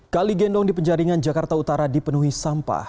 kali gendong di penjaringan jakarta utara dipenuhi sampah